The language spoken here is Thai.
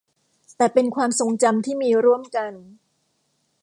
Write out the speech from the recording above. แต่เป็นความทรงจำที่มีร่วมกัน